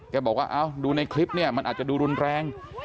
บอกว่าดูในคลิปเนี่ยมันอาจจะดูรุนแรง